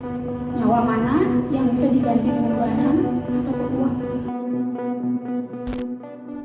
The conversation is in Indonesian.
nyawa mana yang bisa diganti dengan barang atau peruang